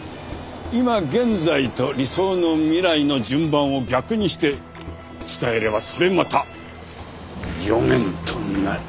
今現在と理想の未来の順番を逆にして伝えればそれまた予言となる。